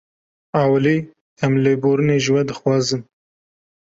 Ewilî em lêborînê ji we dixwazin